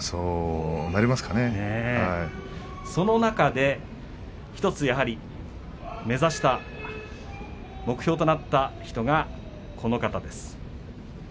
その中で１つ、やはり目指した目標となった人がこの方です。